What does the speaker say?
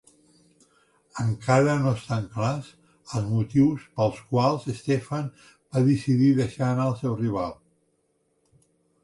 Encara no estan clars els motius pels quals Stephen va decidir deixar anar el seu rival.